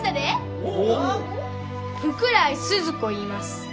福来スズ子いいます。